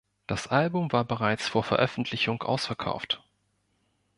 Das Album war bereits vor Veröffentlichung ausverkauft.